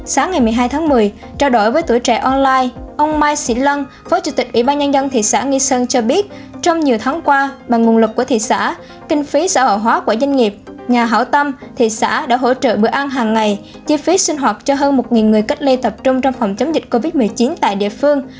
sáng ngày một mươi hai tháng một mươi trao đổi với tuổi trẻ online ông mai sĩ lân phó chủ tịch ủy ban nhân dân thị xã nghi sơn cho biết trong nhiều tháng qua bằng nguồn lực của thị xã kinh phí xã hội hóa của doanh nghiệp nhà hảo tâm thị xã đã hỗ trợ bữa ăn hàng ngày chi phí sinh hoạt cho hơn một người cách ly tập trung trong phòng chống dịch covid một mươi chín tại địa phương